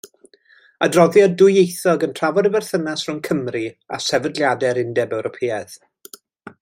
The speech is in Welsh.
Adroddiad dwyieithog yn trafod y berthynas rhwng Cymru a sefydliadau'r Undeb Ewropeaidd.